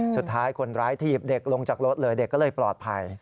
สุดท้ายคนร้ายถีบเด็กลงจากรถเลยเด็กก็เลยปลอดภัย